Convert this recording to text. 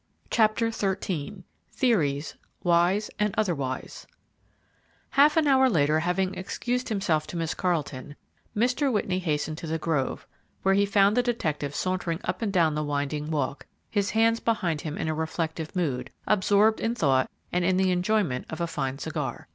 CHAPTER XIII THEORIES, WISE AND OTHERWISE Half an hour later, having excused himself to Miss Carleton, Mr. Whitney hastened to the grove, where he found the detective sauntering up and down the winding walk, his hands behind him in a reflective mood, absorbed in thought and in the enjoyment of a fine cigar.